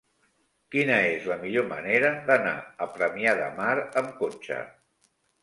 Quina és la millor manera d'anar a Premià de Mar amb cotxe?